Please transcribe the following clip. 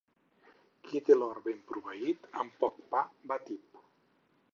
Qui té l'hort ben proveït, amb poc pa va tip.